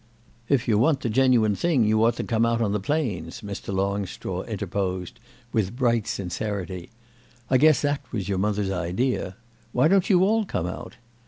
"If you want the genuine thing you ought to come out on the plains," Mr. Longstraw interposed with bright sincerity. "I guess that was your mother's idea. Why don't you all come out?"